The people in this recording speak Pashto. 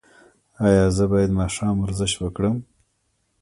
ایا زه باید ماښام ورزش وکړم؟